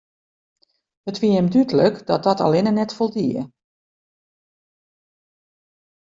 It wie him dúdlik dat dat allinne net foldie.